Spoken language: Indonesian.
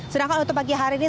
sedangkan untuk pagi hari ini